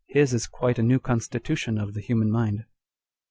His is quite a new constitution of the human mind.